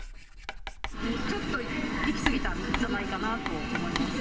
ちょっといきすぎたんじゃないかなと思います。